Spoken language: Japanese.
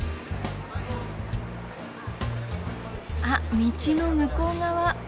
あっ道の向こう側。